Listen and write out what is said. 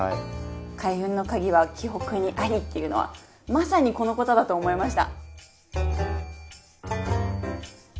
「開運の鍵は驥北にあり」っていうのはまさにこのことだと思いました。